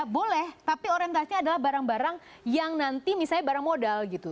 boleh tapi orientasi adalah barang barang yang nanti misalnya barang modal gitu